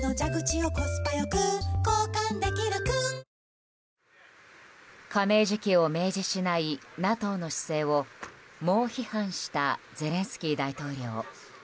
しみるごほうびだ加盟時期を明示しないＮＡＴＯの姿勢を猛批判したゼレンスキー大統領。